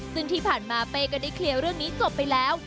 ซึ่งที่ผ่านมาเป้ก็ได้เคลียร์เรื่องนี้จบไปแล้ว